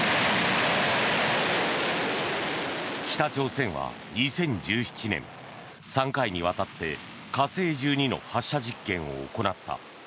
北朝鮮は２０１７年３回にわたって火星１２の発射実験を行った。